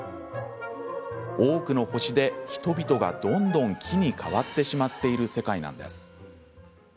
多くの星で、人々がどんどん木に変わってしまっている世界なんです。